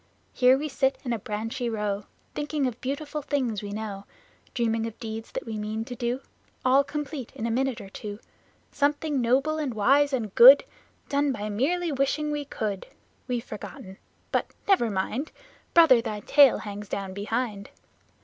Here we sit in a branchy row, Thinking of beautiful things we know; Dreaming of deeds that we mean to do, All complete, in a minute or two Something noble and wise and good, Done by merely wishing we could. We've forgotten, but never mind, Brother, thy tail hangs down behind!